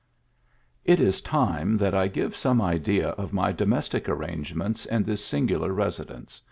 IT is time that I give some idea of my domestic arrangements in this singular residence.